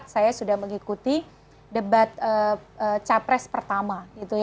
dua ribu empat saya sudah mengikuti debat capres pertama